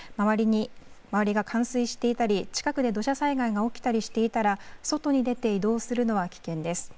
周りが冠水していたり、近くで土砂災害が起きたりしていたら、外に出て移動するのは危険です。